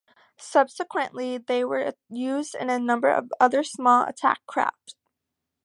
Subsequently they were used in a number of other smaller attack craft.